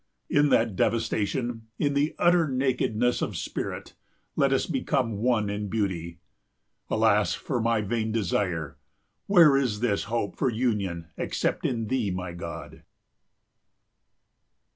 In that devastation, in the utter nakedness of spirit, let us become one in beauty. Alas for my vain desire! Where is this hope for union except in thee, my God?